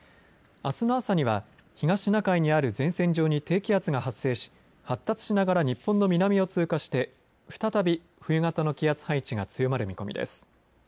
あすの朝には、東シナ海にある前線上に低気圧が発生し発達しながら日本の南を通過して再び冬型の気圧配置が強まる見込みです。